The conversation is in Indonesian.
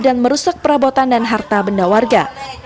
dan merusak perabotan dan harta benda warga